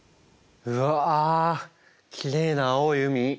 うわきれいな青い海。